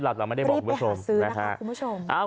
ตรงกับในสคริปเราไม่ได้บอกคุณผู้ชม